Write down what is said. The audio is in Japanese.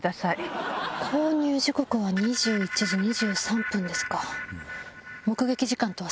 購入時刻は２１時２３分ですか。